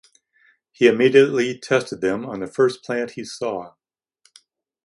He immediately tested them on the first plant he saw.